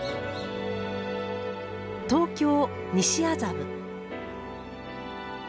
東京・西麻布。